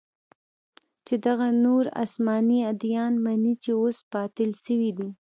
چې دغه نور اسماني اديان مني چې اوس باطل سوي دي.